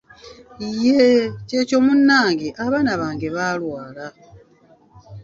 Yee kyekyo munnange, abaana bange baalwala!